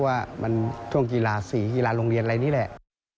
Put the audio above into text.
ว่ามันช่วงกีฬา๔กีฬาโรงเรียนอะไรนี่แหละ